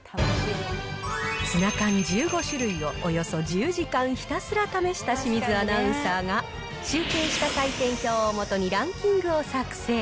ツナ缶１５種類を、およそ１０時間ひたすら試した清水アナウンサーが、集計した採点表を基にランキングを作成。